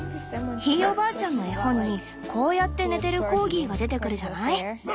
ひいおばあちゃんの絵本にこうやって寝てるコーギーが出てくるじゃない？